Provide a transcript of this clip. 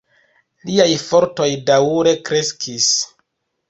Liaj fortoj daŭre kreskis.